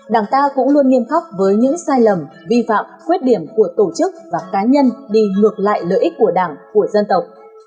đảng ta cũng luôn nghiêm khắc với những sai lầm vi phạm khuyết điểm của tổ chức và cá nhân đi ngược lại lợi ích của đảng của dân tộc